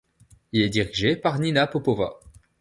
Il est dirigé par Nina Popova.